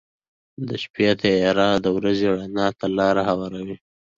• د شپې تیاره د ورځې رڼا ته لاره هواروي.